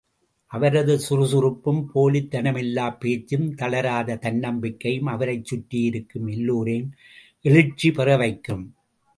அவரது சுறுசுறுப்பும், போலித் தனமில்லா பேச்சும், தளராத தன்னம்பிக்கையும் அவரைச் சுற்றி இருக்கும் எல்லோரையும் எழுச்சி பெற வைக்கும்.